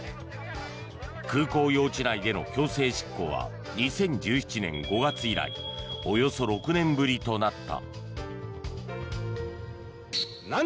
空港用地内での強制執行は２０１７年５月以来およそ６年ぶりとなった。